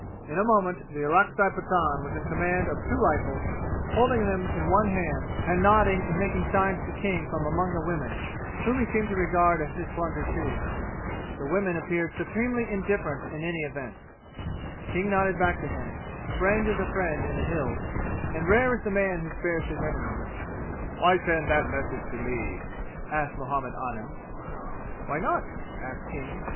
In a moment the Orakzai Pathan was in command of two rifles, holding them in one hand and nodding and making signs to King from among the women, whom he seemed to regard as his plunder too. The women appeared supremely indifferent in any event. King nodded back to him. A friend is a friend in the "Hills," and rare is the man who spares his enemy. "Why send that message to me?" asked Muhammad Anim. "Why not?" asked King.